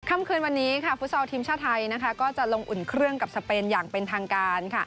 ค่ำคืนวันนี้ฟุตซอลทีมชาติไทยก็จะลงอุ่นเครื่องกับสเปนอย่างเป็นทางการ